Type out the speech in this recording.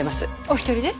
お一人で？